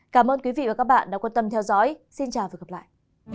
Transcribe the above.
cảm ơn quý vị và các bạn đã quan tâm theo dõi xin chào và hẹn gặp lại